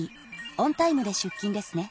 オンタイムで出勤ですね。